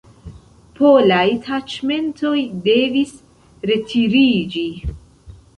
Polaj taĉmentoj devis retiriĝi.